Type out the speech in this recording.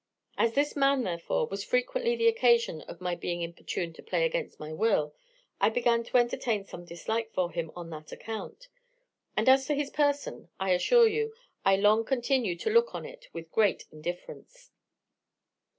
As this man, therefore, was frequently the occasion of my being importuned to play against my will, I began to entertain some dislike for him on that account; and as to his person, I assure you, I long continued to look on it with great indifference.